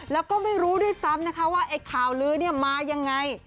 แล้วก็ไม่รู้ด้วยซ้ำนะคะว่าไอ้ข่าวลื้อเนี่ยมายังไง